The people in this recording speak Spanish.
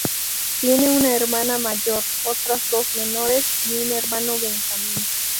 Tiene una hermana mayor, otras dos menores y un hermano benjamín.